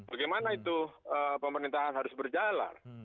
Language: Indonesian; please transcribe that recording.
bagaimana itu pemerintahan harus berjalan